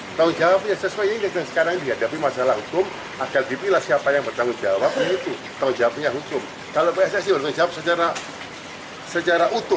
menurut jawab itu tahu jawabnya hukum